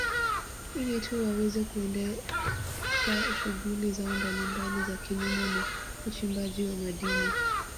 Ili tu waweze kuendesha shughuli zao mbalimbali za kilimo na uchimbaji wa madini